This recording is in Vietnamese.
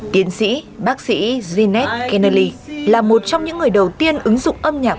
tiến sĩ bác sĩ jeanette kennelly là một trong những người đầu tiên ứng dụng âm nhạc